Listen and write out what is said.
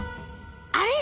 あれ？